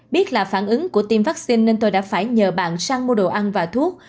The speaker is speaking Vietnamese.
biết là phản ứng của tiêm vaccine nên tôi đã phải nhờ bạn sang mua đồ ăn và thuốc